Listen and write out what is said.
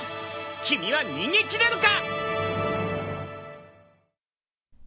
君は逃げ切れるか！？